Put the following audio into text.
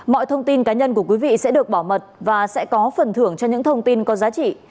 mọi thông tin cá nhân của quý vị sẽ được bảo mật và sẽ có phần thưởng cho những thông tin có giá trị